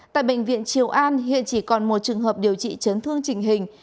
tại bệnh viện triều an hiện chỉ còn một trường hợp điều trị chấn thương trình hình